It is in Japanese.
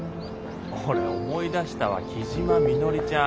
俺思い出したわ木嶋みのりちゃん。